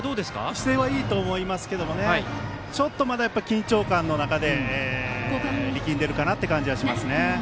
姿勢はいいと思うんですけどちょっとまだ緊張感の中で力んでるかなという感じはします。